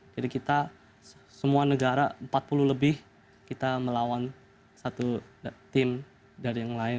jadi kita semua negara empat puluh lebih kita melawan satu tim dari yang lain